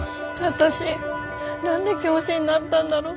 私何で教師になったんだろう。